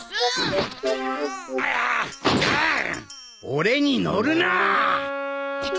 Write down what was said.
俺に乗るな！